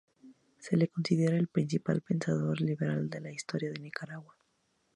Se le considera el principal pensador liberal de la historia de Nicaragua.